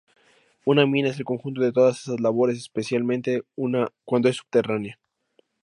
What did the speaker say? Una mina es el conjunto de todas esas labores, especialmente cuando es subterránea.